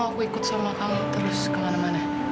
aku ikut sama kami terus kemana mana